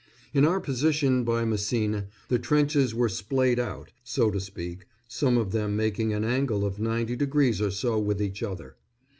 In our position by Messines the trenches were splayed out, so to speak, some of them making an angle of ninety degrees or so with each other.